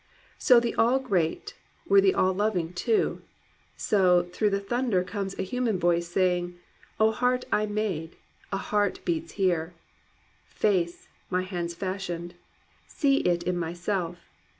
So, the AU great, were the All Loving too — So, through the thunder comes a human voice Saying, ' O heart I made, a heart beats here ! Face, my hands fashioned, see it in myself